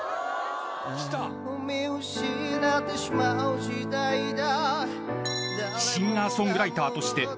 「愛を見失ってしまう時代だ」